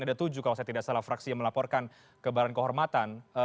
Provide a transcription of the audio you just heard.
ada tujuh kalau saya tidak salah fraksi yang melaporkan ke badan kehormatan